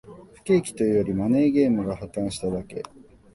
不景気というより、マネーゲームが破綻しただけ